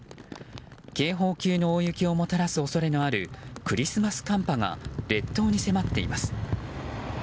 警報級の大雪をもたらす恐れのあるクリスマス寒波が列島に迫っています。